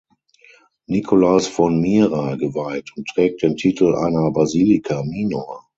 Nikolaus von Myra geweiht und trägt den Titel einer Basilica minor.